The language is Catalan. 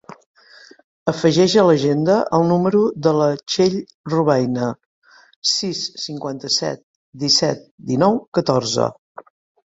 Afegeix a l'agenda el número de la Txell Robayna: sis, cinquanta-set, disset, dinou, catorze.